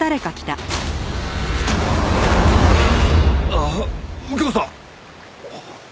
あっ右京さん！